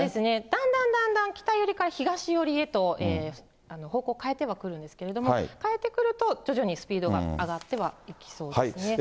だんだんだんだん北寄りから東寄りへと方向を変えてはくるんですけど、変えてくると、徐々にスピードが上がってはいきそうですね。